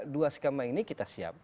dua skema ini kita siap